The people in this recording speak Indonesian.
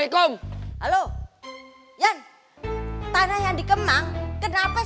agar kelaluan kami bisa tahan dulu dah kurang lebih dari ini